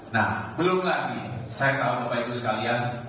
nah belum lagi saya tahu bapak ibu sekalian